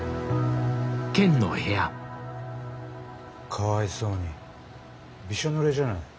かわいそうにびしょぬれじゃない。